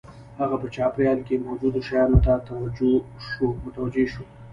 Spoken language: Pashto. هغه په چاپېريال کې موجودو شیانو ته متوجه شو